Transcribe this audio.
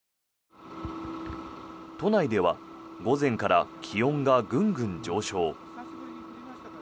都内では午前から気温がグングン上昇。